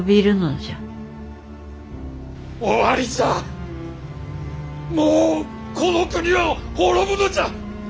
終わりじゃもうこの国は滅ぶのじゃ！